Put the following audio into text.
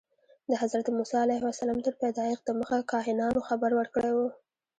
د حضرت موسی علیه السلام تر پیدایښت دمخه کاهنانو خبر ورکړی و.